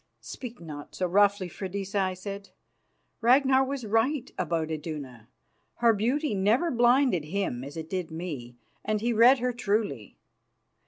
"Speak not so roughly, Freydisa," I said. "Ragnar was right about Iduna. Her beauty never blinded him as it did me, and he read her truly.